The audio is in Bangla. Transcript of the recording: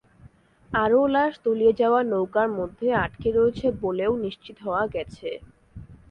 আরও লাশ তলিয়ে যাওয়া নৌকার মধ্যে আটকে রয়েছে বলেও নিশ্চিত হওয়া গেছে।